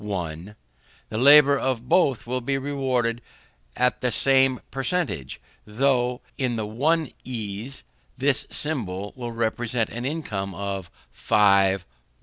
the labour of both will be rewarded with the same per centage, though, in the one ease, this symbol will represent an income of 5_l_.